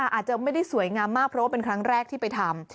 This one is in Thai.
อาจจะไม่ได้สวยงามมากเพราะว่าเป็นครั้งแรกที่ไปทำ